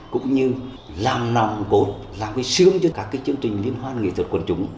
cũng như làm nồng cốt làm sướng cho các chương trình liên hoan nghệ thuật quần chúng